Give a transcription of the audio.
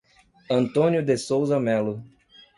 Antônio de Souza Melo